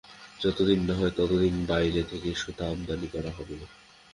যত দিন না হয় তত দিন বাইরে থেকে সুতা আমদানি করা হবে।